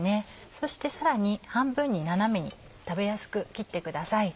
そしてさらに半分に斜めに食べやすく切ってください。